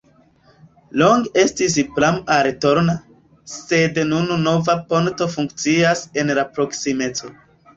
Longe estis pramo al Tolna, sed nun nova ponto funkcias en la proksimeco.